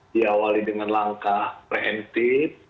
diawali dengan langkah preventif